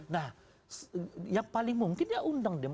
nah yang paling mungkin ya undang